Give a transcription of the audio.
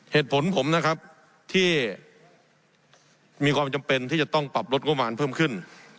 เหตุผลผมนะครับที่มีความจำเป็นที่จะต้องปรับลดงบประมาณเพิ่มขึ้น